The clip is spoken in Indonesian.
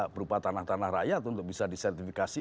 berupa tanah tanah rakyat untuk bisa disertifikasi